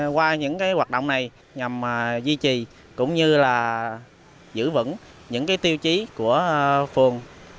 qua những hoạt động này nhằm duy trì cũng như giữ vững những tiêu chí của phường